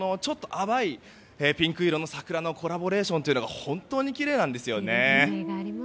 ちょっと淡いピンク色の桜のコラボレーションが本当にきれいなんですよね。